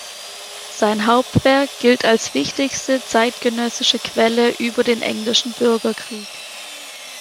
Sein Hauptwerk gilt als wichtigste zeitgenössische Quelle über den Englischen Bürgerkrieg.